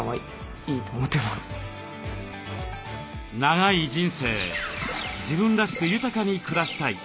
長い人生自分らしく豊かに暮らしたい。